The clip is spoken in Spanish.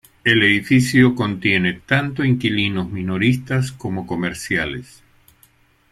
El edificio contiene tanto inquilinos minoristas como comerciales.